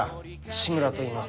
志村といいます。